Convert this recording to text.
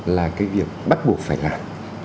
là cái việc bắt buộc phải làm